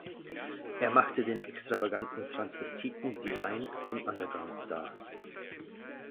Er machte den extravaganten Transvestiten Divine zum Underground-Star.